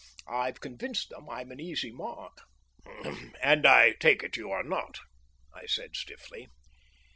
I've convinced them I'm an easy mark." "And I take it you are not," I said stiffly.